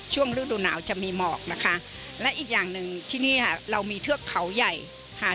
ฤดูหนาวจะมีหมอกนะคะและอีกอย่างหนึ่งที่นี่ค่ะเรามีเทือกเขาใหญ่ค่ะ